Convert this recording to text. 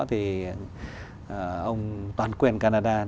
thì ông toàn quyền canada